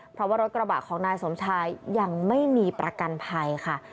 เพราะว่ารถกระบะของนายสมชายยังไม่มีประกันภัยค่ะ